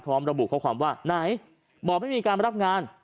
ระบุข้อความว่าไหนบอกไม่มีการรับงาน